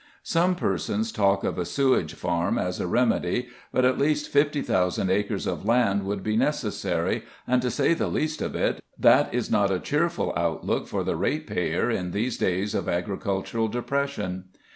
Some persons talk of a sewage farm as a remedy, but at least 50,000 acres of land would be necessary, and, to say the least of it, that is not a cheerful outlook for the ratepayer in these days of agricultural depression.